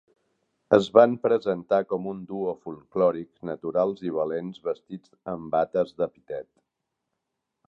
Es van presentar com un duo folklòric, naturals i valents, vestits amb bates de pitet.